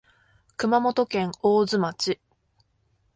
熊本県大津町